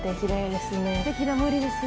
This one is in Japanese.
すてきな森ですね。